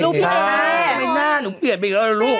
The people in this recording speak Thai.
ไม่ล่ะหนูเปลี่ยนไปอีกแล้วละลูก